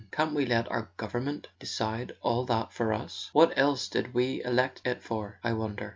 Can't we let our government de¬ cide all that for us? What else did we elect it for, I wonder?"